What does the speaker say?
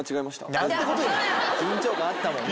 緊張感あったもんね。